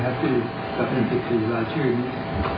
ท่านไม่แฮปปี้จะเป็น๑๔รายชื่อนี้